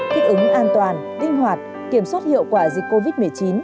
kích ứng an toàn tinh hoạt kiểm soát hiệu quả dịch covid một mươi chín